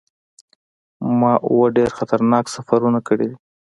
ما اووه ډیر خطرناک سفرونه کړي دي.